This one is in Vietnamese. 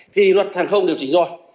thì luật hàng không đều chỉnh rồi